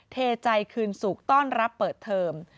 เทใจคืนสุขต้อนรับเปิดเทอม